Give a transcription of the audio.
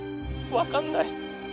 分かんない。